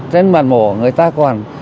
trên bàn mổ người ta còn